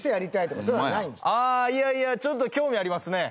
ああいやいやちょっと興味ありますね。